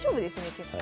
結構。